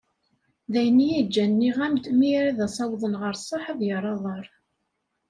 D ayen iyi-ǧǧan nniɣ-am-d mi ara ad as-awḍen ɣer sseḥ ad yerr aḍar.